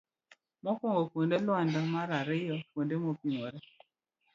mokuongo. kuonde luanda. mar ariyo kuonde mopimore.